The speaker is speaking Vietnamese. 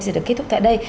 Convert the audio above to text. sẽ được kết thúc tại đây